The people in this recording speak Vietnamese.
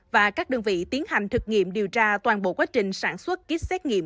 và các đơn vị tiến hành thực nghiệm điều tra toàn bộ quá trình sản xuất kýt xét nghiệm